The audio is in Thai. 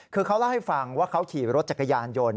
คือเขาเล่าให้ฟังว่าเขาขี่รถจักรยานยนต์